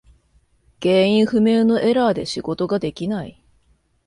原因不明のエラーで仕事ができない。